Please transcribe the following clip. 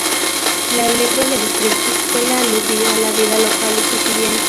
La letra de los Cristos suele aludir a la vida local y cotidiana.